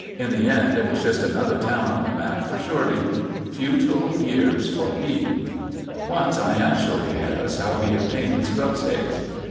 In the end it was just another town on the map for Shorty. Futile years for Pete. Once I asked Shorty Harris how he obtained his grubstakes.